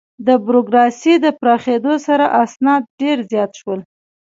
د بروکراسي د پراخېدو سره، اسناد ډېر زیات شول.